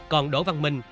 còn đỗ văn minh